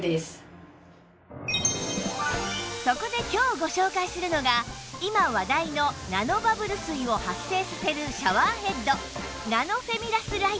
そこで今日ご紹介するのが今話題のナノバブル水を発生させるシャワーヘッドナノフェミラスライト